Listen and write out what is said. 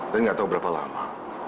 dan gak tau berapa lama